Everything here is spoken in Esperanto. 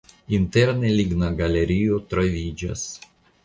Interne ligna galerio troviĝas.